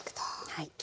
はい。